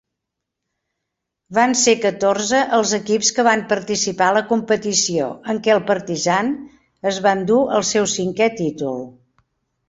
Van ser catorze els equips que van participar a la competició, en què el Partizan es va endur el seu cinquè títol.